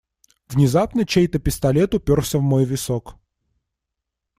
Внезапно чей-то пистолет упёрся в мой висок.